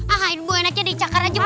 ah ini buah enaknya dicakar aja bu